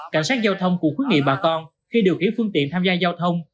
cảnh sát giao thông cũng khuyến nghị bà con khi điều khiển phương tiện tham gia giao thông